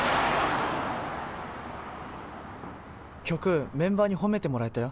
「曲、メンバーに褒めてもらえたよ！